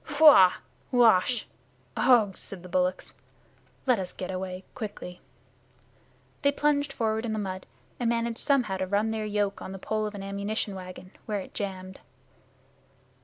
"Huah! Ouach! Ugh!" said the bullocks. "Let us get away quickly." They plunged forward in the mud, and managed somehow to run their yoke on the pole of an ammunition wagon, where it jammed.